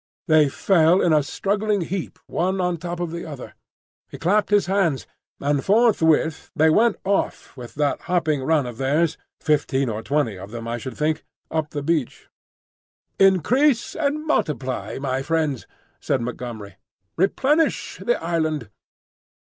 They fell in a struggling heap one on the top of the other. He clapped his hands, and forthwith they went off with that hopping run of theirs, fifteen or twenty of them I should think, up the beach. "Increase and multiply, my friends," said Montgomery. "Replenish the island.